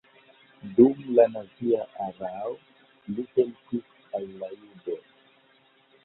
Dum la nazia erao li helpis al la judoj.